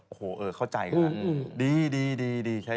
โอ้โหเออเข้าใจค่ะ